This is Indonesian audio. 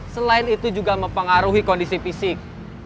selain itu juga mempengaruhi kondisi fisik